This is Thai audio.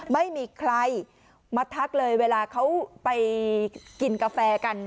ไม่มีใครมาทักเลยเวลาเขาไปกินกาแฟกัน